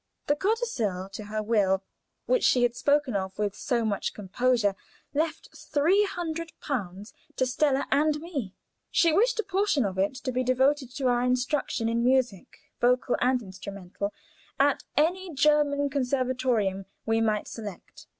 The codicil to her will, which she had spoken of with so much composure, left three hundred pounds to Stella and me. She wished a portion of it to be devoted to our instruction in music, vocal and instrumental, at any German conservatorium we might select.